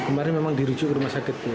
kemarin memang dirucuk ke rumah sakit ya